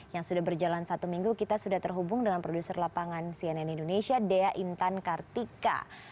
yang sudah berjalan satu minggu kita sudah terhubung dengan produser lapangan cnn indonesia dea intan kartika